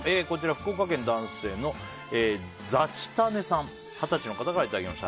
福岡県、男性、二十歳の方からいただきました。